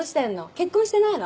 結婚してないの？